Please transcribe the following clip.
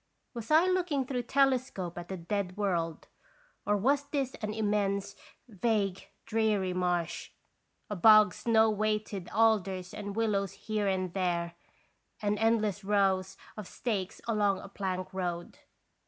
Was I looking through telescope at a dead world, or was this an immense, vague, dreary marsh? A bog, snow weighted alders and willows here and there, and endless rows of stakes along a plank road.